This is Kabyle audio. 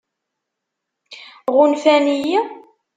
Ɣunfan-iyi?